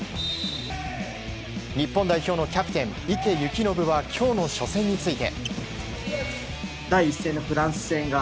日本代表のキャプテン池透暢は今日の初戦について。